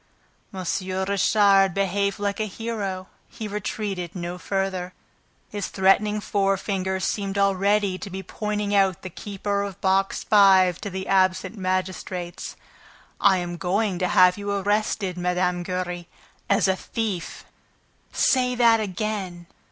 M. Richard behaved like a hero. He retreated no farther. His threatening forefinger seemed already to be pointing out the keeper of Box Five to the absent magistrates. "I am going to have you arrested, Mme. Giry, as a thief!" "Say that again!"